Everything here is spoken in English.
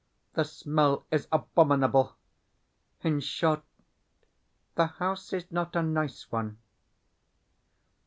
The smell is abominable. In short, the house is not a nice one.